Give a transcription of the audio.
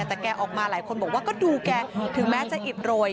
แต่แกออกมาหลายคนบอกว่าก็ดูแกถึงแม้จะอิดโรย